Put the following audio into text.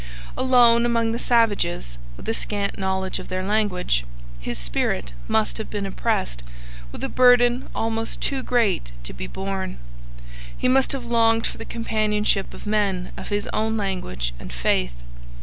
Alone among the savages, with a scant knowledge of their language, his spirit must have been oppressed with a burden almost too great to be borne; he must have longed for the companionship of men of his own language and faith.